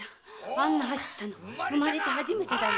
あんな走ったの生まれて初めてだよ。